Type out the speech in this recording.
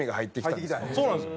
そうなんですよ。